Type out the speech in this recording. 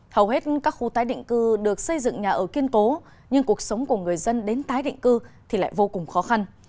hầu hết các khu tái định cư được xây dựng nhà ở kiên cố nhưng cuộc sống của người dân đến tái định cư thì lại vô cùng khó khăn